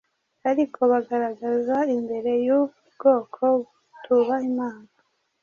ariko bagaragaza imbere y’ubu bwoko butubaha Imana,